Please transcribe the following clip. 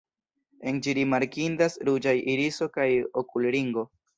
En ĝi rimarkindas ruĝaj iriso kaj okulringo.